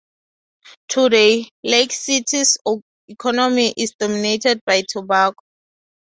Today, Lake City's economy is dominated by tobacco.